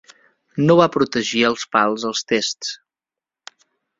No va protegir els pals als Tests.